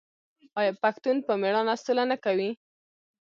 آیا پښتون په میړانه سوله نه کوي؟